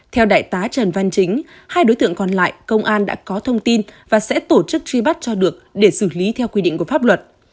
theo đại tá trần văn chính hai đối tượng còn lại công an đã có thông tin và sẽ tổ chức truy bắt cho được để xử lý theo quy định của pháp luật